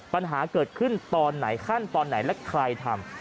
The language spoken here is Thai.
ปัญหาเกิดขึ้นตอนไหนขั้นตอนไหนและใครทำ